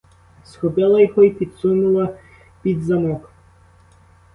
Схопила його й підсунула під замок.